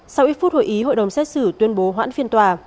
sau ít phút hội ý hội đồng xét xử tuyên bố hoãn phiên tòa